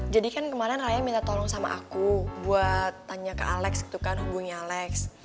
jadi kan kemarin raya minta tolong sama aku buat tanya ke alex gitu kan hubungi alex